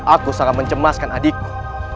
aku sangat mencemaskan adikku